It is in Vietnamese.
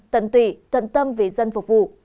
tận tùy tận tâm vì dân phục vụ